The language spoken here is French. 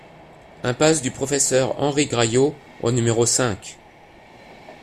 Impasse du Professeur Henri Graillot au numéro cinq